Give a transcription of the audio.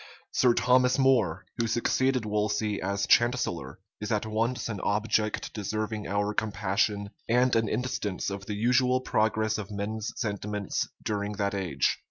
Sir Thomas More, who succeeded Wolsey as chancellor, is at once an object deserving our compassion, and an instance of the usual progress of men's sentiments during that age.